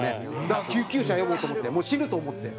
だから救急車呼ぼうと思ってもう死ぬと思って。